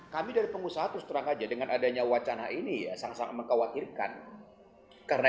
kami dari pengusaha terus terang saja dengan adanya wacana ini sang sang mengkhawatirkan